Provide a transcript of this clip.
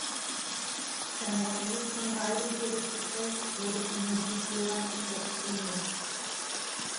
Wer nur eines von beidem für richtig hält, wurde von Musiklehrern indoktriniert.